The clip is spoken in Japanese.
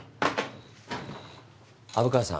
虻川さん。